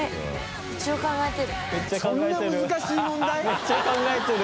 めっちゃ考えてる。